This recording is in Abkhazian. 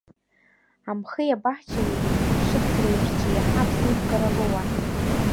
Амхи абаҳчареи, ашыцреи рҿы иаҳа аԥсеивгара лоуан.